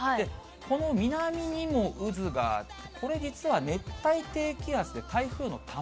この南にも渦があって、これ実は熱帯低気圧で、台風の卵。